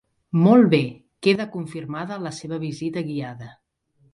Molt bé, queda confirmada la seva visita guiada.